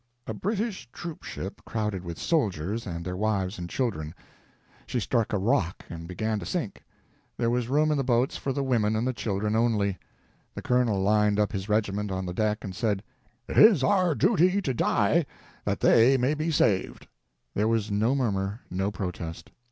A British troop ship crowded with soldiers and their wives and children. She struck a rock and began to sink. There was room in the boats for the women and children only. The colonel lined up his regiment on the deck and said "it is our duty to die, that they may be saved." There was no murmur, no protest.